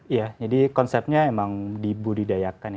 ya jadi konsepnya emang dibudidayakan ya